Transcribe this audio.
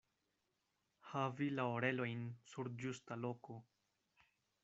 Havi la orelojn sur ĝusta loko.